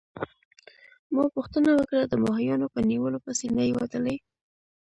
ما پوښتنه وکړه: د ماهیانو په نیولو پسي نه يې وتلی؟